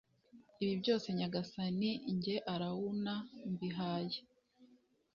Ibi byose nyagasani jye Arawuna mbihaye